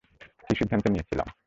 কি সিদ্ধান্ত নিয়েছিলাম?